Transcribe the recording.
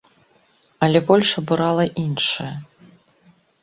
Але больш абурала іншае.